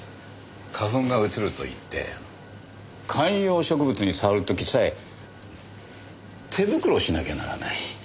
花粉が移るといって観葉植物に触る時さえ手袋をしなきゃならない。